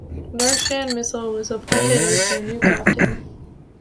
Darshan Misal was appointed as their new captain.